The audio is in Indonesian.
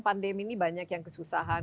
pandemi ini banyak yang kesusahan